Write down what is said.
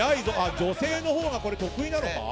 女性のほうが得意なのか？